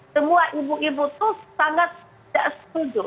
semua ibu ibu itu sangat tidak setuju